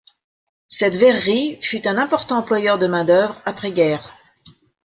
Cette verrerie fut un important employeur de main d’œuvre après guerre.